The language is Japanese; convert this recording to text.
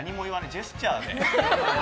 ジェスチャーで。